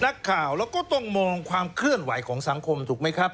นักข่าวแล้วก็ต้องมองความเคลื่อนไหวของสังคมถูกไหมครับ